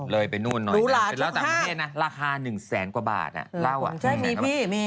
เลยไปนู่นน้อยเป็นเล่าต่างประเทศนะราคา๑แสนกว่าบาทเล่าอ่ะใช่มีพี่